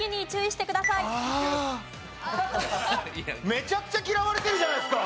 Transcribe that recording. めちゃくちゃ嫌われてるじゃないですか！